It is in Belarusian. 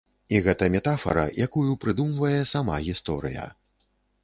І гэта метафара, якую прыдумвае сама гісторыя.